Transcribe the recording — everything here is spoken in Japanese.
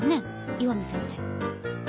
岩見先生。